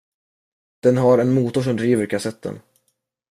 Den har en motor som driver kassetten.